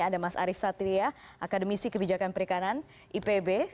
ada mas arief satria akademisi kebijakan perikanan ipb